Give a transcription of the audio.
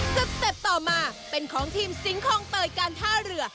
สเต็ปต่อมาเป็นของทีมสิงคลองเตยการท่าเรือ